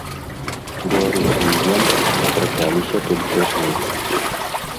Беларусы і венгры сустракаліся толькі аднойчы.